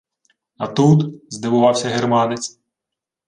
— А тут?! — здивувався германець.